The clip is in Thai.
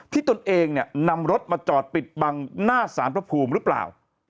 ตนเองเนี่ยนำรถมาจอดปิดบังหน้าสารพระภูมิหรือเปล่า